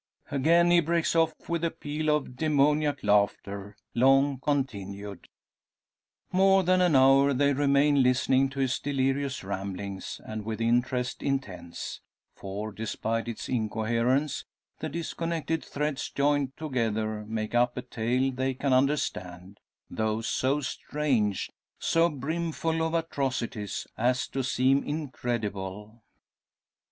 Again he breaks off with a peal of demoniac laughter, long continued. More than an hour they remain listening to his delirious ramblings, and with interest intense. For despite its incoherence, the disconnected threads joined together make up a tale they can understand; though so strange, so brimful of atrocities, as to seem incredible.